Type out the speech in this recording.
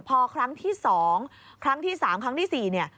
พอครั้งที่๒ครั้งที่๓ครั้งที่๔เนี่ย